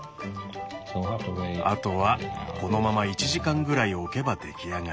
あとはこのまま１時間ぐらいおけば出来上がり。